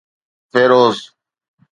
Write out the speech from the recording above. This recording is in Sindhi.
فيروز